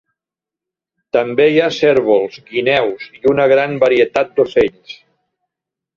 També hi ha cérvols, guineus i una gran varietat d'ocells.